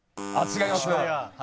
違います。